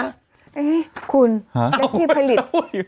เอ๊ะคุณแล้วที่ผลิต